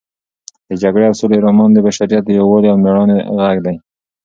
د جګړې او سولې رومان د بشریت د یووالي او مېړانې غږ دی.